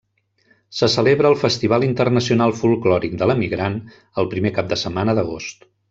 Se celebra el Festival Internacional Folklòric de l'Emigrant, el primer cap de setmana d'agost.